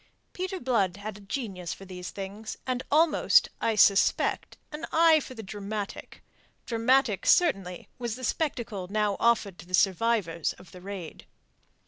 Peter Blood had a genius for these things, and almost, I suspect, an eye for the dramatic. Dramatic, certainly, was the spectacle now offered to the survivors of the raid.